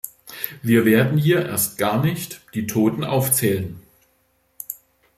Wir werden hier erst gar nicht die Toten aufzählen.